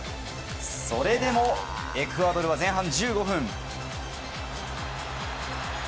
それでもエクアドルは前半１５分。